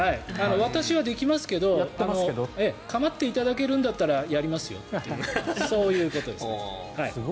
私はできますけど構っていただけるんだったらやりますよというそういうことですね。